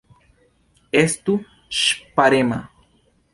Estu ŝparema!